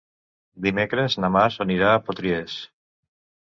Dimecres na Mar anirà a Potries.